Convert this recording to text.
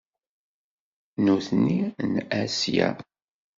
Nutni n Asya.